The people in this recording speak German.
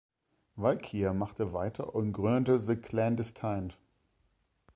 Walkyier machte weiter und gründete The Clan Destined.